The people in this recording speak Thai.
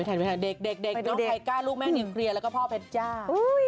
เด็กน้องไทก้าลูกแม่นิวเคลียร์แล้วก็พ่อเพชรจ้า